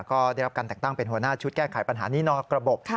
ก็ได้รับการแต่งตั้งเป็นหัวหน้าชุดแก้ไขปัญหานี่นอกระบบ